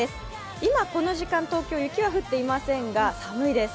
今、この時間、東京、雪は降っていませんが寒いです。